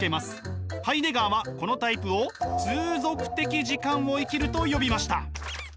ハイデガーはこのタイプを「通俗的時間を生きる」と呼びました。